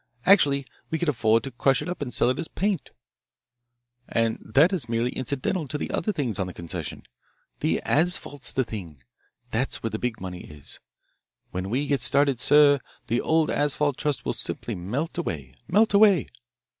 Actually we could afford to crush it up and sell it as paint. And that is merely incidental to the other things on the concession. The asphalt's the thing. That's where the big money is. When we get started, sir, the old asphalt trust will simply melt away, melt away."